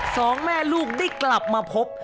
สองแม่ลูกได้กลับมาพบ